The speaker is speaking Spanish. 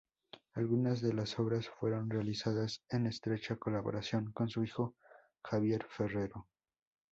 Algunas de las obras fueron realizadas en estrecha colaboración con su hijo Javier Ferrero.